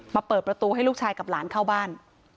เปิดประตูให้ลูกชายกับหลานเข้าบ้าน